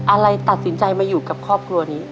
อะไรตัดสินใจมาอยู่กับครอบครัวนี้